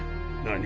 何？